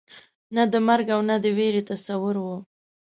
نه د مرګ او نه د وېرې تصور وو.